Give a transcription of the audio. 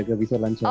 tidak bisa lancar